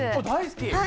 大好き？